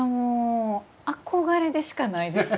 憧れでしかないですね。